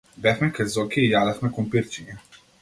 Бевме кај Зоки и јадевме компирчиња.